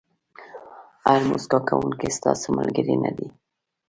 هر موسکا کوونکی ستاسو ملګری نه دی.